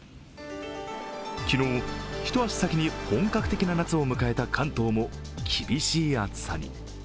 昨日、一足先に本格的な夏を迎えた関東も厳しい暑さに。